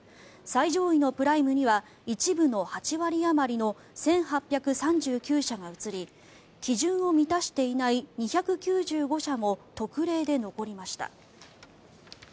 最上位のプライムには一部の８割あまりの１８３９社が移り基準を満たしていない２９５社も特例で残りました。